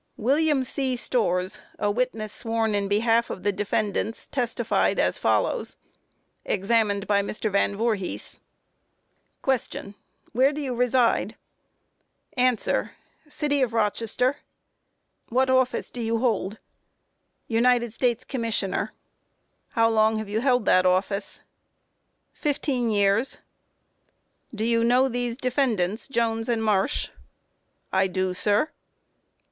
] WILLIAM C. STORRS, a witness sworn in behalf of the defendants, testified as follows: Examined by MR. VAN VOORHIS: Q. Where do you reside? A. City of Rochester. Q. What office do you hold? A. United States Commissioner. Q. How long have you held that office? A. Fifteen years. Q. Do you know these defendants, Jones and Marsh? A. I do, sir.